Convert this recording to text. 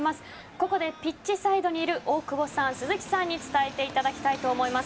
ここでピッチサイドにいる大久保さん鈴木さんに伝えていただきたいと思います。